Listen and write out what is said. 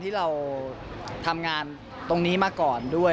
ที่เราทำงานตรงนี้มาก่อนด้วย